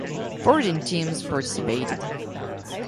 Fourteen teams participated.